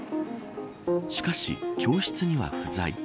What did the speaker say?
しかし、教室には不在。